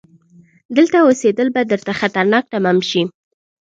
دلته اوسيدل به درته خطرناک تمام شي!